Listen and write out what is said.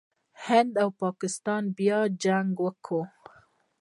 هند او پاکستان بیا جنګ وکړ.